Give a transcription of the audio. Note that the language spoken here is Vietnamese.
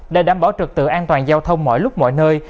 để đảm bảo trực tự an toàn giao thông mọi lúc mọi nơi